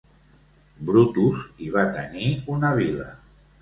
Brutus hi va tenir una vila.